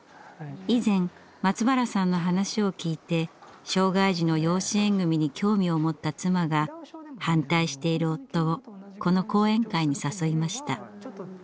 以前松原さんの話をきいて障害児の養子縁組に興味を持った妻が反対している夫をこの講演会に誘いました。